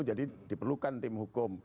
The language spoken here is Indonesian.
jadi diperlukan tim hukum